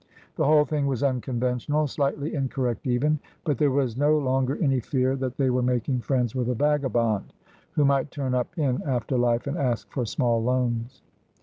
The whole thing was unconventional — slightly incorrect, even— but there was no longer any fear that they were making friends with a vagabond, who might turn up in after life and ask for small loans.